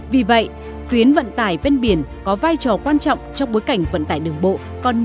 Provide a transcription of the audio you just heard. vì vậy tuyến vận tải ven biển có vai trò quan trọng trong bối cảnh vận tải đường bộ